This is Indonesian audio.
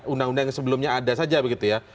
undang undang yang sebelumnya ada saja begitu ya